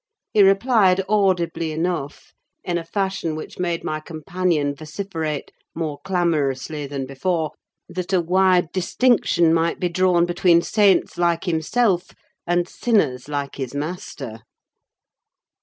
He replied audibly enough, in a fashion which made my companion vociferate, more clamorously than before, that a wide distinction might be drawn between saints like himself and sinners like his master.